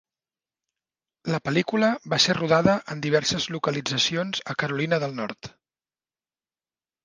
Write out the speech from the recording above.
La pel·lícula va ser rodada en diverses localitzacions a Carolina del Nord.